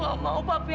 aku gak mau papi